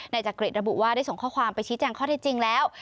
จักริตระบุว่าได้ส่งข้อความไปชี้แจงข้อที่จริงแล้ว